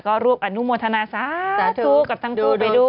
ก็รวบอนุโมทนาสาธุกับทั้งคู่ไปด้วย